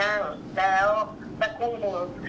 ให้ไปไม่ได้แล้วก็บอกว่างแล้วเรา